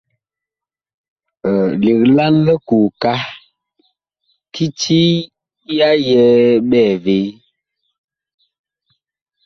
Legla likooka kiti ya yɛ ɓɛɛvee.